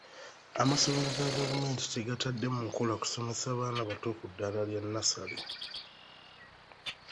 Amasomero ga gavumenti tegatadde mu nkola kusomesa baana bato ku ddaala lya nnassale.